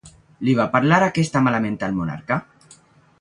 Li va parlar aquesta malament al monarca?